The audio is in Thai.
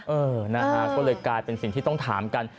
เออนะฮะก็เลยกลายเป็นสิ่งที่ต้องถามกัน